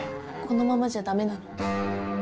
このままじゃダメなの？